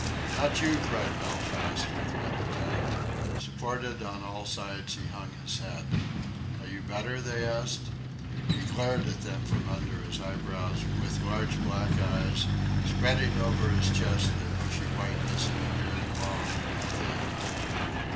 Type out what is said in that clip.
"Not you," cried Belfast, with ready tact. Supported on all sides, he hung his head. "Are you better?" they asked. He glared at them from under his eyebrows with large black eyes, spreading over his chest the bushy whiteness of a beard long and thick.